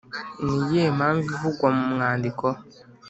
Ni iyihe mpamvu ivugwa mu mwandiko